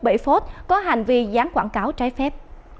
bảy phốt có hành vi dán quảng cáo trái phép